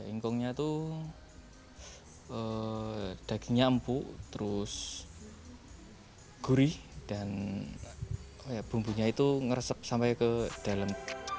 ingkungnya itu dagingnya empuk terus gurih dan bumbunya itu ngeresep sampai ke dalam